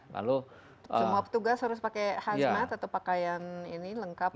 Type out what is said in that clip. lalu semua petugas harus pakai hazmat atau pakaian ini lengkap